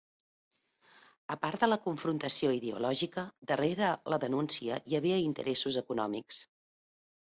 A part de la confrontació ideològica, darrere la denúncia hi havia interessos econòmics.